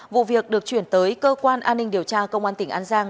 vụ việc được chuyển tới cơ quan an ninh điều tra công an tỉnh an giang